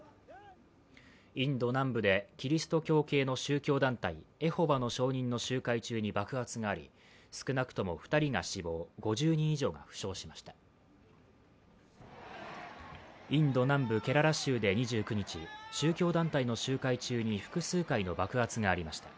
インド南部でキリスト教系の宗教団体エホバの証人の集会中に爆発があり少なくとも２人が死亡、５０人以上が負傷しましたインド南部ケララ州で２９日宗教団体の集会中に複数回の爆発がありました。